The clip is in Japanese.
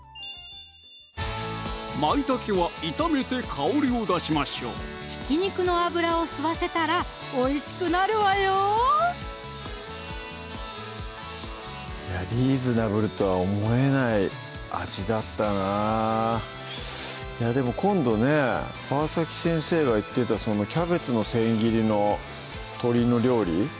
まいたけは炒めて香りを出しましょうひき肉の脂を吸わせたらおいしくなるわよいやリーズナブルとは思えない味だったなでも今度ね川先生が言ってたそのキャベツの千切りの鶏の料理？